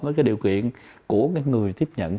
với cái điều kiện của cái người tiếp nhận